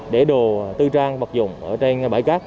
để đồ tư trang vật dụng ở trên bãi cát